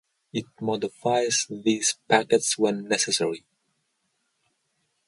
It modifies these packets when necessary.